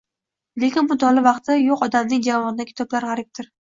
lekin mutolaaga vaqti yo‘q odamning javonidagi kitoblar g‘aribdir.